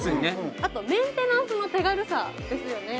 あとメンテナンスの手軽さですよね